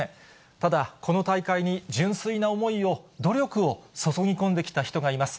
ただ、この大会に純粋な思いを、努力を注ぎ込んできた人がいます。